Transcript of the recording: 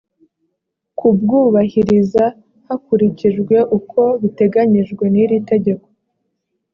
kubwubahiriza hakurikijwe uko biteganyijwe n iri tegeko